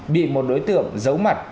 bị một đối tượng giấu mặt